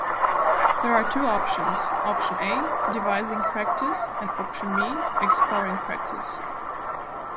There are two options: Option A: Devising Practice and Option B: Exploring Practice.